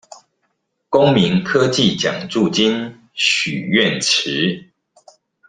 公民科技獎助金許願池